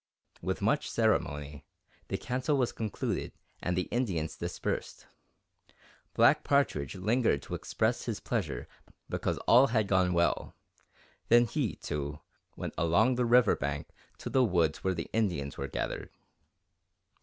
With much ceremony, the council was concluded and the Indians dispersed. Black Partridge lingered to express his pleasure because all had gone well, then he, too, went along the river bank to the woods where the Indians were gathered.